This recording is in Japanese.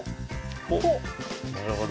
なるほど。